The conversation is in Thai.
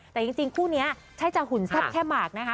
แต่จริงคู่เนี้ยใช้จ่าหุ่นซับแค่หมากนะ